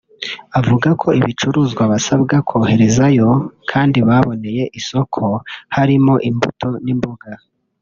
Avuga ko ibicuruzwa basabwa koherezayo kandi baboneye isoko harimo imbuto n’imboga